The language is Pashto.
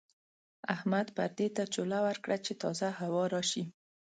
احمد پردې ته چوله ورکړه چې تازه هوا راشي.